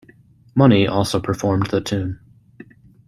Money also performed the tune.